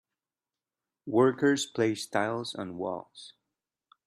Workers place tiles on walls.